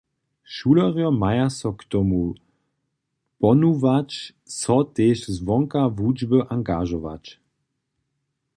Šulerjo maja so k tomu pohnuwać, so tež zwonka wučby angažować.